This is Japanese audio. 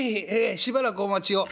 しばらくお待ちを。